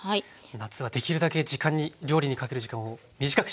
夏はできるだけ料理にかける時間を短くしたいですね。